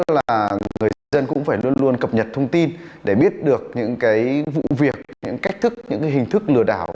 thứ hai nữa là người dân cũng phải luôn luôn cập nhật thông tin để biết được những vụ việc những cách thức những hình thức lừa đảo